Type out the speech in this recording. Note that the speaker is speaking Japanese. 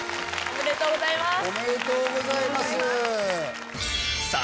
おめでとうございます。